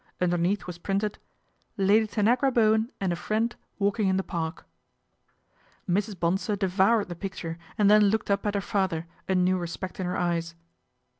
Underneath was printed " Lady Tanagra Bo wen and a friend walking in the Park." Mrs. Bonsor devoured the picture and then looked up at her father, a new respect in her eyes.